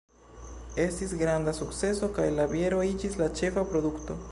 Estis granda sukceso kaj la biero iĝis la ĉefa produkto.